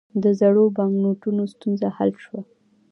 د زړو بانکنوټونو ستونزه حل شوه؟